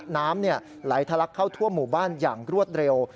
น้ำไหลทะลักเข้าทั่วหมู่บ้านอย่างรวดเร็ว